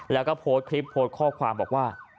แล้วก็โพสต์คลิปโพสต์ข้อความบอกว่า